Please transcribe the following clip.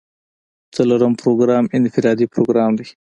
څلورم پروګرام انفرادي پروګرام دی.